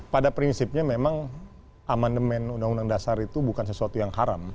pada prinsipnya memang amandemen undang undang dasar itu bukan sesuatu yang haram